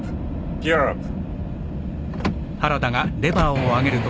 ギアアップ。